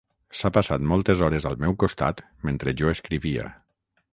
S'ha passat moltes hores al meu costat mentre jo escrivia.